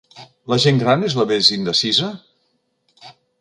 La gent gran és la més indecisa?